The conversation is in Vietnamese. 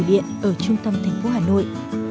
các tù điện ở trung tâm thành phố hà nội